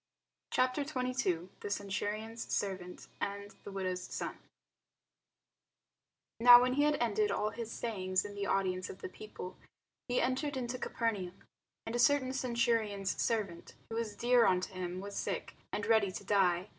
CHAPTER 22 THE CENTURION'S SERVANT AND THE WIDOW'S SON NOW when he had ended all his sayings in the audience of the people, he entered into Capernaum. And a certain centurion's servant, who was dear unto him, was sick, and ready to die.